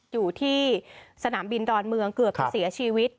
อยู่ที่สนามบินดอนเมืองเกือบจะเสียชีวิต